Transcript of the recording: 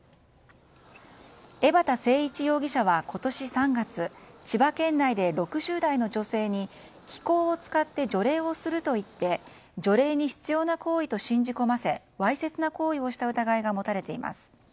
江畑誠一容疑者は今年３月千葉県内で６０代の女性に気功を使って除霊をすると言って除霊に必要な行為と信じ込ませわいせつな行為をした疑いが持たれています。